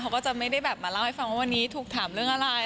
เขาก็จะไม่ได้แบบมาเล่าให้ฟังว่าวันนี้ถูกถามเรื่องอะไร